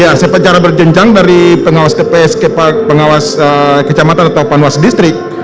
ya secara berjenjang dari pengawas tpex pengawas kecamatan atau panwas distrik